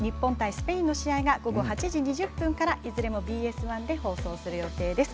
スペインの試合が午後８時２０分からいずれもＢＳ１で放送する予定です。